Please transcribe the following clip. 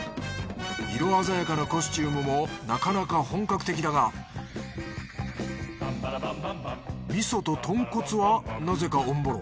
色鮮やかなコスチュームもなかなか本格的だが味噌と豚骨はなぜかオンボロ。